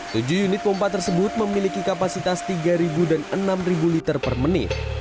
tujuh unit pompa tersebut memiliki kapasitas tiga dan enam liter per menit